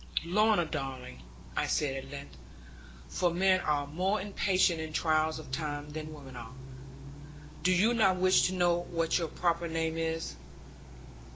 'Lorna, darling,' I said at length, for men are more impatient in trials of time than women are, 'do you not even wish to know what your proper name is?'